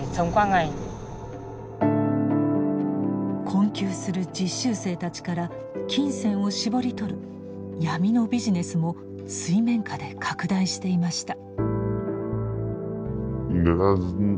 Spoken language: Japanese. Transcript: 困窮する実習生たちから金銭を搾り取る闇のビジネスも水面下で拡大していました。